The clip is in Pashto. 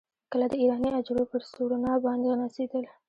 کله د ایراني غجرو پر سورنا باندې نڅېدل.